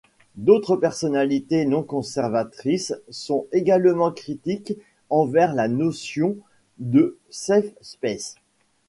D'autres personnalités non conservatrices sont également critiques envers la notion de safe space.